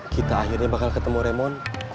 kita akhirnya bakal ketemu ramon